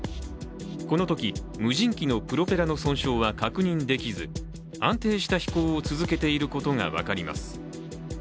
このとき、無人機のプロペラの損傷は確認できず安定した飛行を続けていることが分かります。